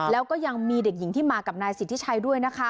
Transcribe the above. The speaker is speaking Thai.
แล้วก็ยังมีเด็กหญิงที่มากับนายสิทธิชัยด้วยนะคะ